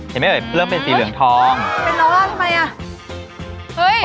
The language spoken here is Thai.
เห็นไหมเอ่ยเริ่มเป็นสีเหลืองทองเป็นโลล่าทำไมอ่ะเฮ้ย